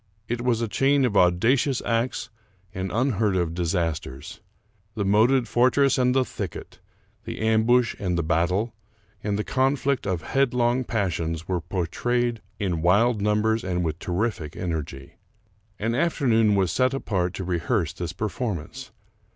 It was a chain of auda cious acts and unheard of disasters. The moated fortress and the thicket, the ambush and the battle, and the conflict of headlong passions, were portrayed in wild numbers and with terrific energy. An afternoon was set apart to rehearse this performance.